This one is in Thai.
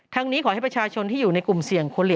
ทางนี้ขอให้ประชาชนที่อยู่ในกลุ่มเสี่ยง